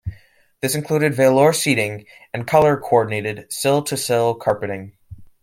This included velour seating and color coordinated sill to sill carpeting.